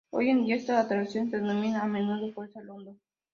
Hoy en día, esta atracción se denomina a menudo "Fuerza London".